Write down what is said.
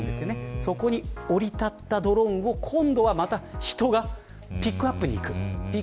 そこに降り立ったドローンを今度は、また人がピックアップにいきます。